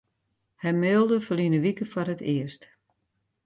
Hy mailde ferline wike foar it earst.